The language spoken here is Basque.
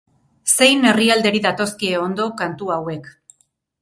Zein herrialderi datozkie ondo kantu hauek?